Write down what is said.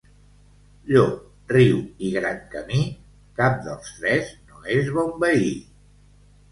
Llop, riu i gran camí, cap dels tres no és bon veí.